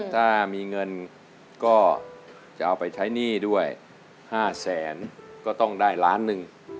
ถ้ามีเงินก็จะเอาไปใช้หนี้ด้วย๕แสนก็ต้องได้ล้านหนึ่ง